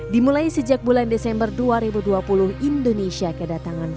dimulai sejak bulan desember dua ribu dua puluh indonesia kedatangan